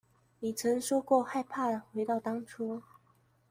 你曾說過害怕回到當初